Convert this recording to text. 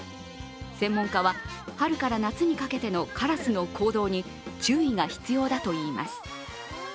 専門家は、春から夏にかけてのカラスの行動に注意が必要だといいます。